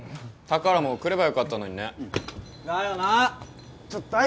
宝も来ればよかったのにねだよなあ